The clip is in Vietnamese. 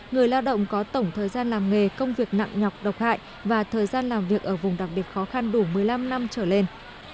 người lao động có tổng thời gian làm nghề công việc nặng nhọc độc hại và thời gian làm việc ở vùng đặc biệt khó khăn đủ một mươi năm năm trở lên